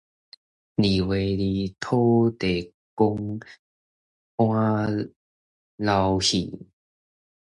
二月二，土地公搬老戲